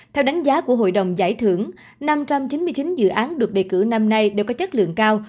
theo đánh giá của hội đồng giải thưởng năm trăm chín mươi chín dự án được đề cử năm nay đều có chất lượng cao